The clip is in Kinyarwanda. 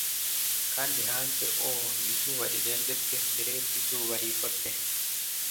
Kandi hanze o 'izuba rirenze pe mbere yuko izuba riva pe